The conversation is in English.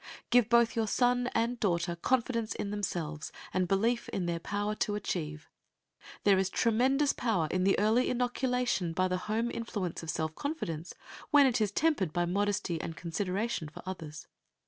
Give both your son and daughter confidence in themselves and belief in their power to achieve. There is tremendous power in the early inoculation by the home influence of self confidence, when it is tempered by modesty and consideration for others.